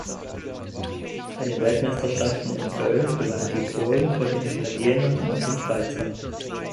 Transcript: Bei den Weltmeisterschaften in Köln gewannen die Polen vor den Italienern und den Schweizern.